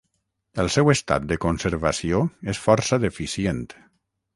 El seu estat de conservació és força deficient.